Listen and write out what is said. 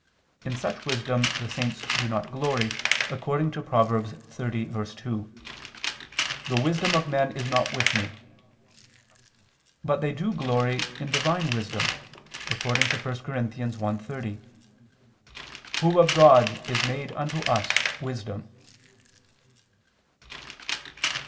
In such wisdom the saints do not glory, according to Prov. 30:2: "The wisdom of men is not with Me": But they do glory in Divine wisdom according to 1 Cor. 1:30: "(Who) of God is made unto us wisdom."